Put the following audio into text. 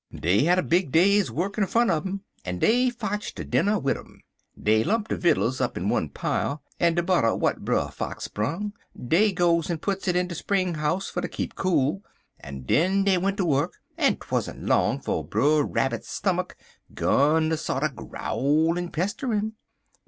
Dey had a big day's work in front un um, en dey fotch der dinner wid um. Dey lump de vittles up in one pile, en de butter w'at Brer Fox brung, dey goes en puts in de spring 'ouse fer ter keep cool, en den dey went ter wuk, en 'twan't long 'fo' Brer Rabbit's stummuck 'gun ter sorter growl en pester 'im.